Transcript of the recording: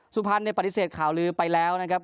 ซูพันด์เนี่ยปฏิเสธข่าวลื้อไปแล้วนะครับ